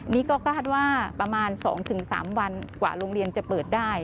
นี่ก็คาดว่าประมาณ๒๓วันกว่าโรงเรียนจะเปิดได้